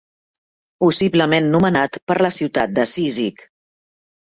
Possiblement nomenat per la ciutat de Cízic.